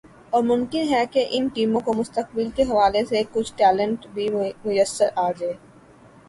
اور ممکن ہے کہ ان ٹیموں کو مستقبل کے حوالے سے کچھ ٹیلنٹ بھی میسر آجائے